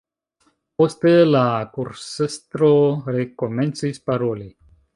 Poste la kursestro rekomencis paroli.